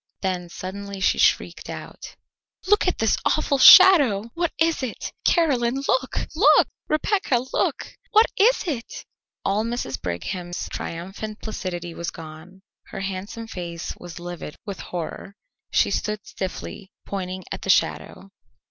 Then suddenly she shrieked out: "Look at this awful shadow! What is it? Caroline, look, look! Rebecca, look! What is it?" All Mrs. Brigham's triumphant placidity was gone. Her handsome face was livid with horror. She stood stiffly pointing at the shadow.